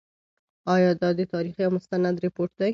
آیا دا د تاریخ یو مستند رپوټ دی؟